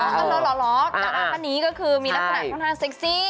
แต่ว่าท่านนี้ก็คือมีลักษณะค่อนข้างเซ็กซี่